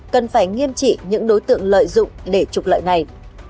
cần phải nghiêm trị những đối tượng lợi dụng để trục lợi này